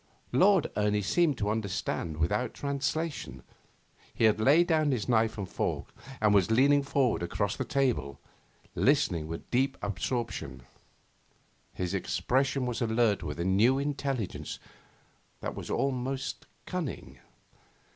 Lord Ernie seemed to understand without translation; he had laid down his knife and fork, and was leaning forward across the table, listening with deep absorption. His expression was alert with a new intelligence that was almost cunning.